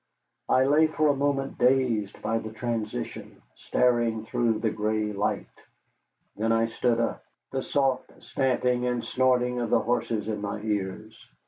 I lay for a moment dazed by the transition, staring through the gray light. Then I sat up, the soft stamping and snorting of the horses in my ears.